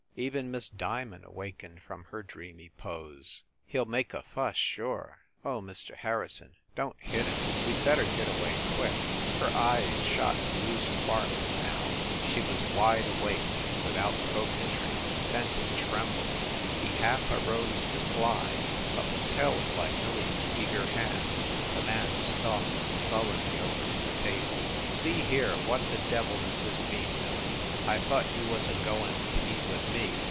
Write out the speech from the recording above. Even Miss Diamond awakened from her dreamy pose. "He ll make a fuss, sure! Oh, Mr. Har rison, don t hit him ! We d better get away quick !" Her eyes shot blue sparks, now; she was wide awake and without coquetry. Fenton trembled. He half arose to fly, but was held by Millie s eager hand, The man stalked sullenly over to the table. THE CAXTON DINING ROOM 165 "See here; what the devil does this mean, Mil lie? I thought you was a goin to eat with me?"